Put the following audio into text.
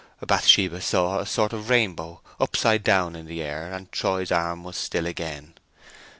Bathsheba saw a sort of rainbow, upside down in the air, and Troy's arm was still again.